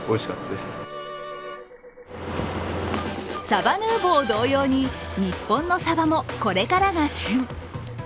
サバヌーヴォー同様に日本のサバもこれからが旬。